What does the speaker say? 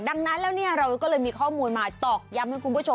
ดังนั้นแล้วเนี่ยเราก็เลยมีข้อมูลมาตอกย้ำให้คุณผู้ชม